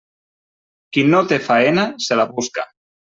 Qui no té faena, se la busca.